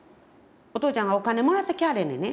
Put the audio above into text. お父ちゃんがお金もらってきはれへんねんね。